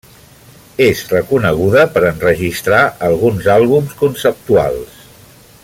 És reconeguda per enregistrar alguns àlbums conceptuals.